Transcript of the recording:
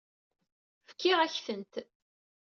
Fkiɣ-ak-tent.